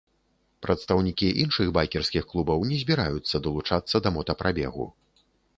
Прадстаўнікі іншых байкерскіх клубаў не збіраюцца далучацца да мотапрабегу.